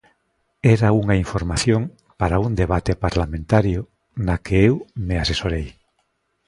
Era unha información para un debate parlamentario na que eu me asesorei.